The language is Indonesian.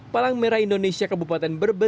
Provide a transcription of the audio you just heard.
palang merah indonesia kebupatan berbangunan